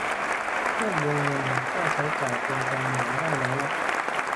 เพิ่มวงเงินหักค่าใช้จ่ายเป็นการเหมาได้ร้อยละ